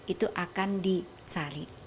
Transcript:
itu akan dicari